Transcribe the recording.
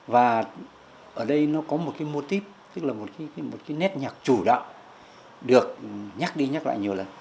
và ở đây nó có một cái mô típ tức là một cái nét nhạc chủ đạo được nhắc đi nhắc lại nhiều lần